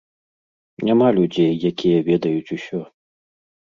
Няма людзей, якія ведаюць усё.